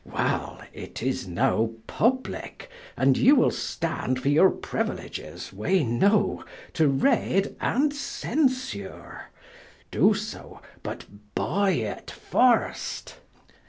Well! it is now publique, & you wil stand for your priuiledges wee know: to read, and censure. Do so, but buy it first.